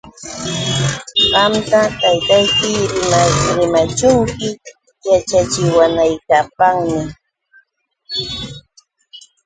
Qamta taytayki rimashunki yaćhachishunaykipaqmi.